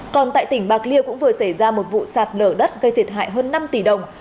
còn tại tỉnh bạc liêu cũng vừa xảy ra một vụ sạt lở đất gây thiệt hại hơn năm tỷ đồng